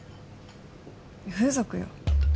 風俗よ